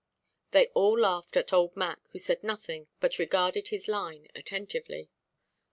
They all laughed at old Mac, who said nothing, but regarded his line attentively.